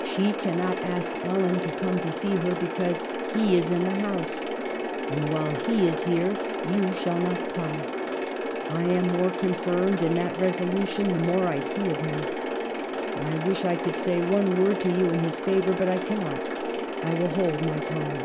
She cannot ask Ellen to come to see her, because he is in the house. "And while he is here, you shall not come. I am more confirmed in that resolution the more I see of him. I wish I could say one word to you in his favor, but I cannot. I will hold my tongue."